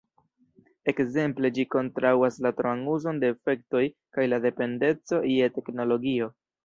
Ekzemple, ĝi kontraŭas la troan uzon de efektoj kaj la dependeco je teknologio.